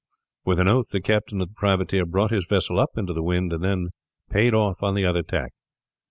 With an oath the captain of the privateer brought his vessel up into the wind, and then payed off on the other tack.